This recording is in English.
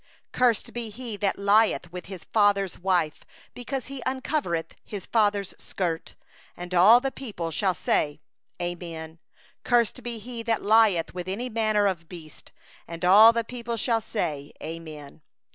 20Cursed be he that lieth with his father's wife; because he hath uncovered his father's skirt. And all the people shall say: Amen. 27 21Cursed be he that lieth with any manner of beast. And all the people shall say: Amen.